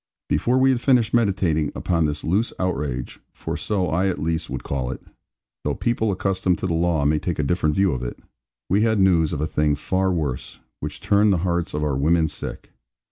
Before we had finished meditating upon this loose outrage for so I at least would call it, though people accustomed to the law may take a different view of it we had news of a thing far worse, which turned the hearts of our women sick.